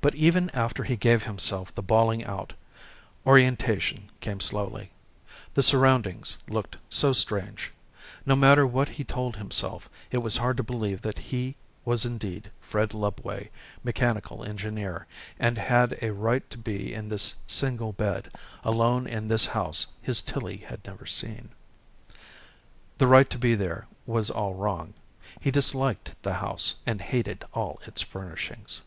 But even after he gave himself the bawling out, orientation came slowly. The surroundings looked so strange. No matter what he told himself it was hard to believe that he was indeed Fred Lubway, mechanical engineer, and had a right to be in this single bed, alone in this house his Tillie had never seen. The right to be there was all wrong. He disliked the house and hated all its furnishings.